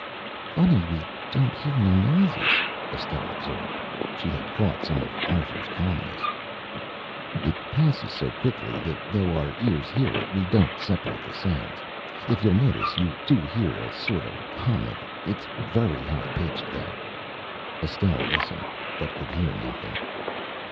"Funny we don't hear any noises," Estelle observed. She had caught some of Arthur's calmness. "It passes so quickly that though our ears hear it, we don't separate the sounds. If you'll notice, you do hear a sort of humming. It's very high pitched, though." Estelle listened, but could hear nothing.